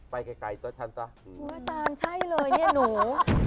ไปไกลซะฉันจ๊ะอาจารย์ใช่เลยเนี่ยหนู